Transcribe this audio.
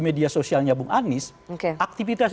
media sosialnya bung anies oke aktivitas